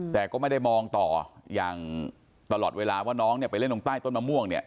แต่ก็ไม่ได้มองต่ออย่างตลอดเวลาว่าน้องเนี่ยไปเล่นตรงใต้ต้นมะม่วงเนี่ย